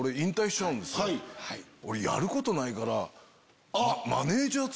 俺やることないから。